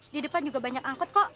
di depan juga banyak angkot kok